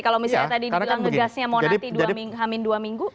kalau misalnya tadi bilang ngegasnya monati h dua minggu